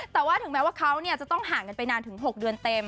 แต่ว่าถึงแม้ว่าเขาจะต้องห่างกันไปนานถึง๖เดือนเต็ม